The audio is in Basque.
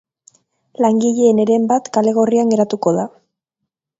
Langileen heren bat kale gorrian geratuko da.